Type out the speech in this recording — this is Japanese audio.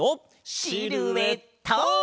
シルエット！